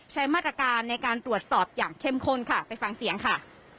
ใช้มาตรการในการตรวจสอบท่องของการตรวจพัดกรองอย่างเข้มขนค่ะ